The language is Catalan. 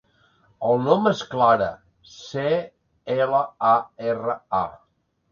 El nom és Clara: ce, ela, a, erra, a.